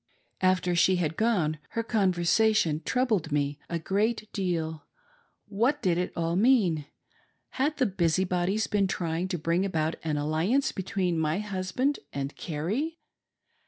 After she had gone, her conversation troubled me a great deal What did it all mean ? Had the busybodies been try ing to bring about an alliance between my husband and Carrie